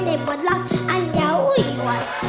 แต่บทรักอันยาวอุ้ยหวาน